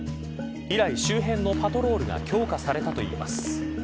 以来、周辺のパトロールが強化されたといいます。